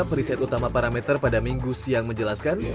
periset utama parameter pada minggu siang menjelaskan